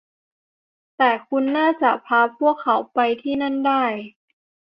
แต่คุณน่าจะพาพวกเขาไปที่นั่นได้